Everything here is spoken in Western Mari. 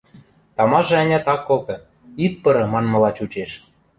Тамажы-ӓнят ак колты, «ит пыры» манмыла чучеш.